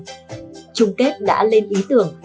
trung kết đã lên ý tưởng